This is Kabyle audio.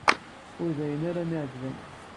Ur d ayen ara m-iɛeǧben.